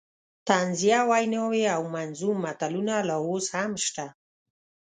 طنزیه ویناوې او منظوم متلونه لا اوس هم شته.